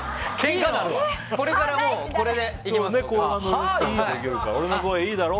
これから、これでいきます。